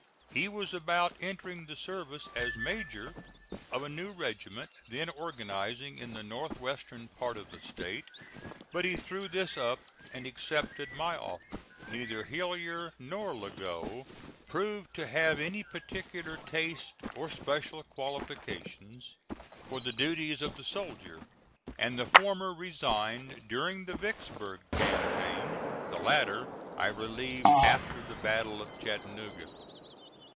He was about entering the service as major of a new regiment then organizing in the north western part of the State; but he threw this up and accepted my offer. Neither Hillyer nor Lagow proved to have any particular taste or special qualifications for the duties of the soldier, and the former resigned during the Vicksburg campaign; the latter I relieved after the battle of Chattanooga.